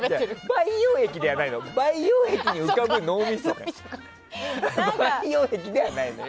培養液に浮かぶ脳みそね。